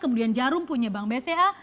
kemudian jarum punya bank bca